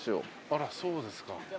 あらそうですか。